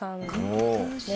お。